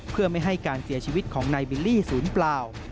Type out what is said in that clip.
เพื่อไม่ให้การเสียชีวิตของนายบิลลี่ศูนย์เปล่า